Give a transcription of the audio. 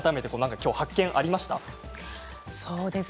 今日発見ありましたか？